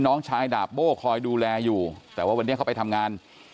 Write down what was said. น้องชายดาบโบ้คอยดูแลอยู่แต่ว่าวันนี้เขาไปทำงาน